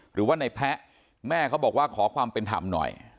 หรือว่าในแพะแม่เขาบอกว่าขอความเป็นธรรมหน่อย